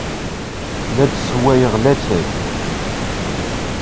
La d-ssewwayeɣ atay.